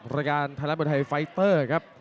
รายการไทยรัฐมวยไทยไฟเตอร์ครับ